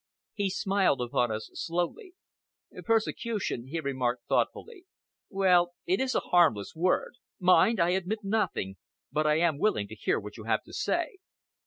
He smiled upon us slowly. "Persecution," he remarked thoughtfully, "well, it is a harmless word. Mind, I admit nothing. But I am willing to hear what you have to say."